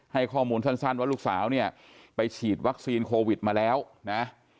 ให้ข้อมูลสั้นว่าลูกสาวเนี่ยไปฉีดวัคซีนโควิดมาแล้วนะ